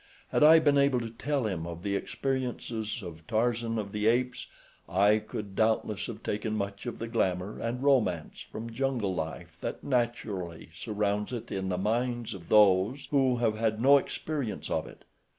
Had I been able to tell him of the experiences of Tarzan of the Apes I could doubtless have taken much of the glamour and romance from jungle life that naturally surrounds it in the minds of those who have had no experience of it.